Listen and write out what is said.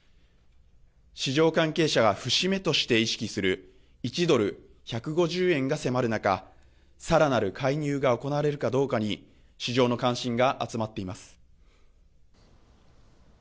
市場関係者が節目として意識する１ドル１５０円が迫る中、さらなる介入が行われるかどうかに市場の関心が集まっています。